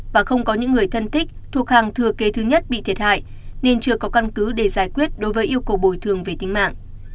và không có những người thân thích thuộc hàng thừa kế thứ nhất bị thiệt hại nên chưa có căn cứ để giải quyết đối với yêu cầu bồi thường về tính mạng